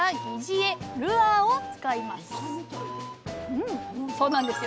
うんそうなんですよ。